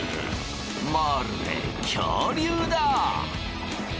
まるで恐竜だ！